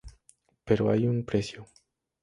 Pero hay un precio.